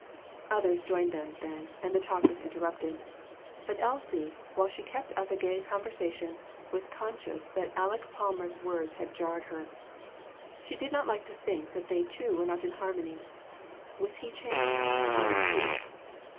Others joined them then, and the talk was interrupted ; but Elsie, while she kept up a gay conversation, was conscious that Aleck Palmer's words had jarred her. She did not like to think that they two were not in harmony. Was he changed, or was she